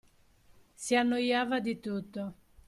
Si annoiava di tutto;